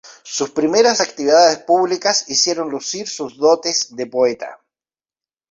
Sus primeras actividades públicas hicieron lucir sus dotes de poeta.